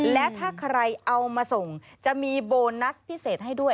และถ้าใครเอามาส่งจะมีโบนัสพิเศษให้ด้วย